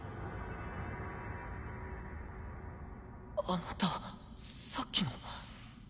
あなたはさっきの。